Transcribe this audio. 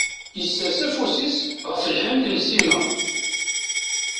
Yessers afus-is ɣef lḥenk n Sima.